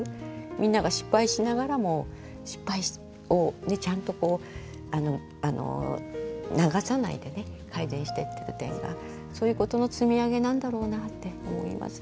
みんなが失敗しながらも失敗をちゃんと流さないでね改善していってる点がそういうことの積み上げなんだろうなって思います。